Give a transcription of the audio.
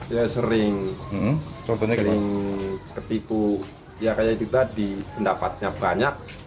ya sering ketipu ya kayak kita di pendapatnya banyak